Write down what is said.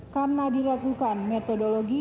karena diragukan metodologi